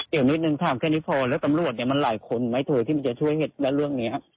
เดี๋ยวนิดนึงถามแค่นี้พอแล้วตำรวจเนี่ยมันหลายคนไหมเธอที่มันจะช่วยเหตุและเรื่องนี้